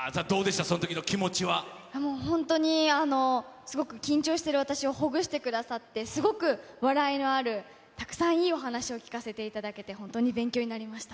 本当にすごく緊張してる私をほぐしてくださって、すごく笑いのあるたくさんいいお話を聞かせていただけて、本当に勉強になりました。